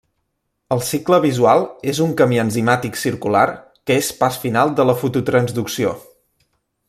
El cicle visual és un camí enzimàtic circular, que és pas final de la fototransducció.